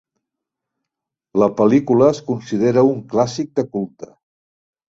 La pel·lícula es considera un clàssic de culte.